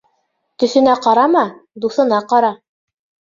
Төҫөнә ҡарама, дуҫына ҡара.